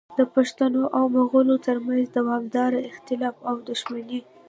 د پښتنو او مغولو ترمنځ دوامداره اختلافات او دښمنۍ